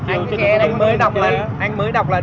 anh mới đọc là điều khiển xe máy đi ngược chiều